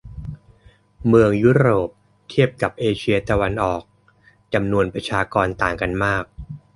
เมืองยุโรปเทียบกับเอเชียตะวันออก จำนวนประชากรต่างกันมาก